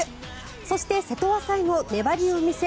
そして、瀬戸は最後粘りを見せ。